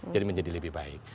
jadi menjadi lebih baik